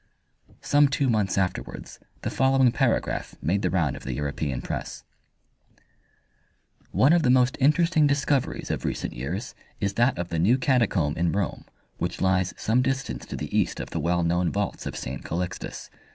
Some two months afterwards the following paragraph made the round of the European Press: One of the most interesting discoveries of recent years is that of the new catacomb in Rome, which lies some distance to the east of the well known vaults of St. Calixtus.